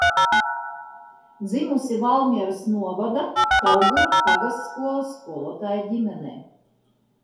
Dzimusi Valmieras novada Kauguru pagastskolas skolotāja ģimenē.